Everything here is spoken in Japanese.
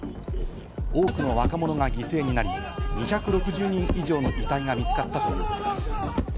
多くの若者が犠牲になり、２６０人以上の遺体が見つかったということです。